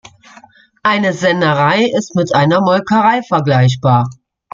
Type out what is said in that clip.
Eine Sennerei ist mit einer Molkerei vergleichbar.